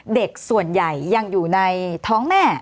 เด็กส่วนใหญ่ยังอยู่ในท้องแม่